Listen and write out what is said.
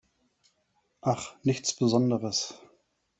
Ach, nichts Besonderes.